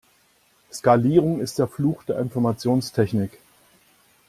Skalierung ist der Fluch der Informationstechnik.